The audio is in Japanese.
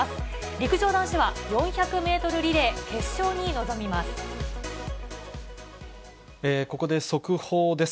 陸上男子は４００メートルリレー決勝に臨みます。